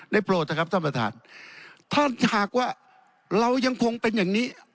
โปรดนะครับท่านประธานถ้าหากว่าเรายังคงเป็นอย่างนี้